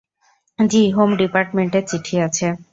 জ্বি, হোম ডিপার্টমেন্টের চিঠি আছে।